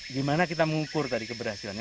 gimana kita mengukur tadi keberhasilannya